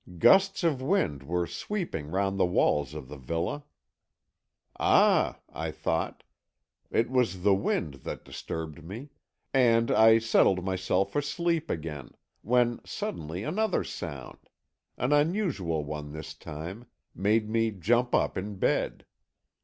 Gusts of wind were sweeping round the walls of the villa. 'Ah,' I thought, 'it was the wind that disturbed me;' and I settled myself for sleep again, when suddenly another sound an unusual one this time made me jump up in bed.